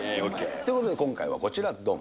ということで今回はこちら、どん。